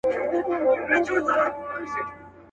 د مېږیانو وې جرګې او مجلسونه.